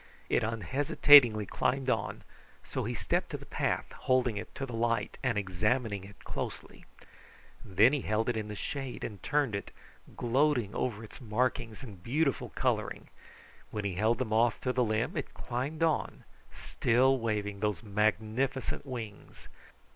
It unhesitatingly climbed on, so he stepped to the path, holding it to the light and examining it closely. Then he held it in the shade and turned it, gloating over its markings and beautiful coloring. When he held the moth to the limb, it climbed on, still waving those magnificent wings.